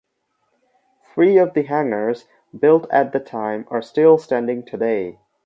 Three of the hangars built at the time are still standing today.